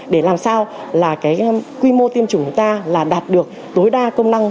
để làm sao là cái quy mô tiêm chủng của ta là đạt được tối đa công năng